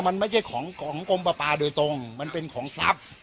มันไม่ใช่ของของกรมประปาโดยตรงมันเป็นของทรัพย์